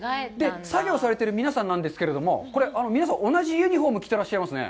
作業されている皆さんなんですけれども、これ、皆さん、同じユニホームを着てらっしゃいますね。